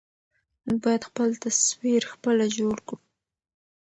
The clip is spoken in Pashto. موږ بايد خپل تصوير خپله جوړ کړو.